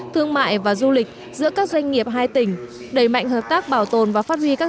thương mại và du lịch giữa các doanh nghiệp hai tỉnh đẩy mạnh hợp tác bảo tồn và phát huy các